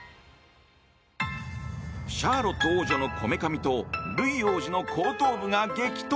シャーロット王女のこめかみとルイ王子の後頭部が激突。